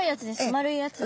丸いやつ。